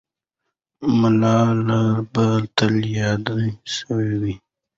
ملاله به تل یاده سوې وي.